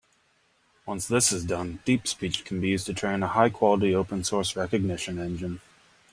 Once this is done, DeepSpeech can be used to train a high-quality open source recognition engine.